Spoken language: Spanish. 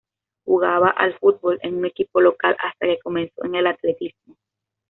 Jugaba al fútbol en un equipo local, hasta que comenzó en el atletismo.